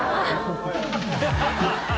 ハハハハハ。